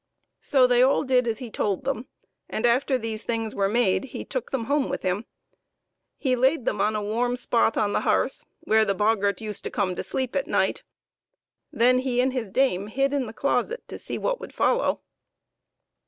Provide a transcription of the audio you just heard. So they all did as he told them, and after these things were made he took them home with him. He laid them on a warm spot on the hearth where the boggart used to come to sleep at night. Then he and his dame hid in the closet to see what would follow.